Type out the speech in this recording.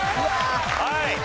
はい。